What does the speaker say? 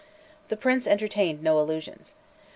The Prince entertained no illusions.